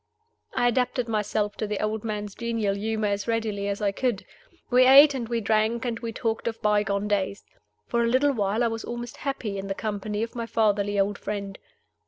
I adapted myself to the old man's genial humor as readily as I could. We ate and we drank, and we talked of by gone days. For a little while I was almost happy in the company of my fatherly old friend.